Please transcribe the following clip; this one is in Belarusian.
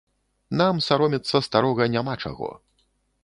Нам саромецца старога няма чаго.